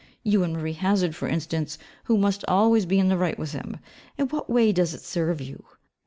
You and Marie Hazard, for instance, who must always be in the right with him, in what way does it serve you?